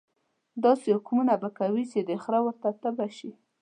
داسې حکمونه به کوي چې د خره ورته تبه شي.